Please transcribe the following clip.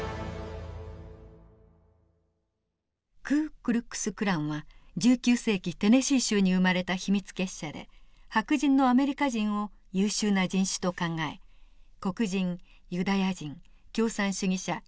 クー・クラックス・クランは１９世紀テネシー州に生まれた秘密結社で白人のアメリカ人を優秀な人種と考え黒人ユダヤ人共産主義者